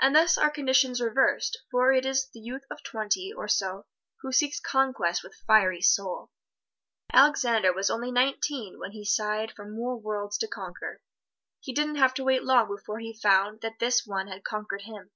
And thus are conditions reversed, for it is the youth of twenty or so who seeks conquest with fiery soul. Alexander was only nineteen when he sighed for more worlds to conquer. He didn't have to wait long before he found that this one had conquered him.